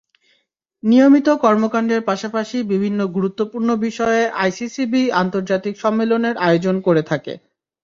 নিয়মিত কর্মকাণ্ডের পাশাপাশি বিভিন্ন গুরুত্বপূর্ণ বিষয়ে আইসিসিবি আন্তর্জাতিক সম্মেলনের আয়োজন করে থাকে।